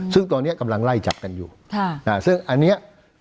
ซึ่งตอนนี้กำลังไล่จับกันอยู่ซึ่งอันนี้